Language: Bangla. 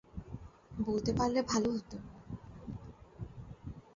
বলতে পারলে ভালো হত।